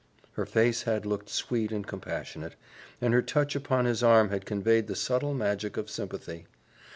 '" Her face had looked sweet and compassionate, and her touch upon his arm had conveyed the subtle magic of sympathy.